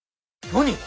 何？